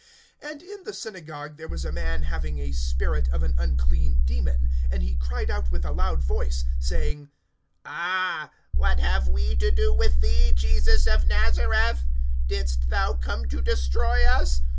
(33)And in the synagogue there was a man having a spirit of an unclean demon; and he cried out with a loud voice, (34)saying: Ah! what have we to do with thee, Jesus of Nazareth? Didst thou come to destroy us?